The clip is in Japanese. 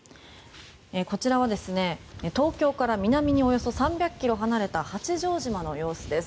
こちらは東京から南におよそ３００ｋｍ離れた八丈島の様子です。